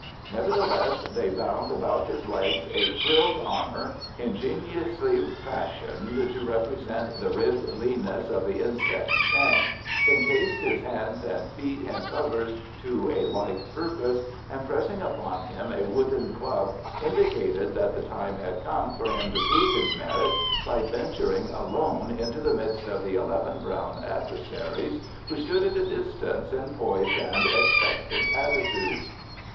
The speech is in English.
Nevertheless they bound about his legs a frilled armour, ingeniously fashioned to represent the ribbed leanness of the insect's shank, encased his hands and feet in covers to a like purpose, and pressing upon him a wooden club indicated that the time had come for him to prove his merit by venturing alone into the midst of the eleven brown adversaries who stood at a distance in poised and expectant attitudes.